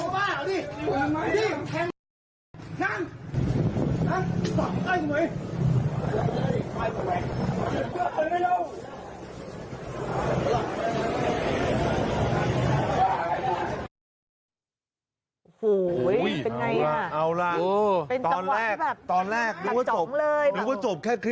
มึงต่อยกูทำไม